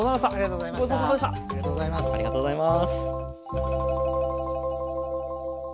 ありがとうございます。